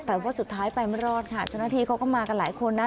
แต่ว่าสุดท้ายไปไม่รอดค่ะเจ้าหน้าที่เขาก็มากันหลายคนนะ